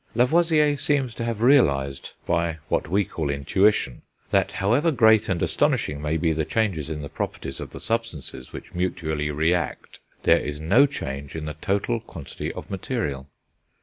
Lavoisier seems to have realised, by what we call intuition, that however great and astonishing may be the changes in the properties of the substances which mutually react, there is no change in the total quantity of material.